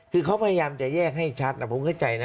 คือเขาพยายามจะแยกให้ชัดผมเข้าใจนะ